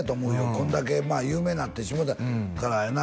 こんだけ有名になってしもうたからやな